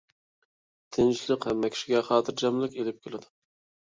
تىنچلىق ھەممە كىشىگە خاتىرجەملىك ئىلىپ كېلىدۇ.